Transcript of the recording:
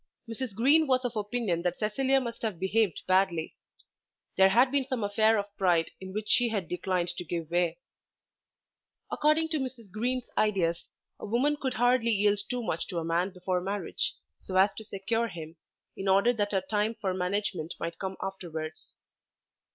Mrs. Green was of opinion that Cecilia must have behaved badly. There had been some affair of pride in which she had declined to give way. According to Mrs. Green's ideas a woman could hardly yield too much to a man before marriage, so as to secure him, in order that her time for management might come afterwards.